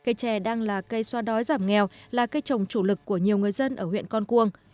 cây chè đang là cây xoa đói giảm nghèo là cây trồng chủ lực của nhiều người dân ở huyện con cuông